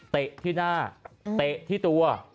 เตะที่หน้าเตะที่ตัว